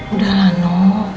udah lah nno